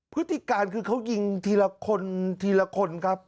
พฤติการคือเขายิงทีละคนทีละคนครับ